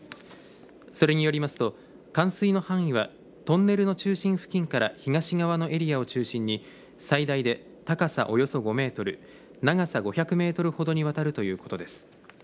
それによりますと冠水の範囲はトンネルの中心付近から東側のエリアを中心に最大で高さおよそ５メートル長さ５００メートルほどにわたるということです。